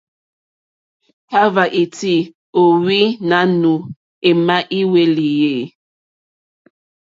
Kahva iti o ohwi nanù ema i hwelì e?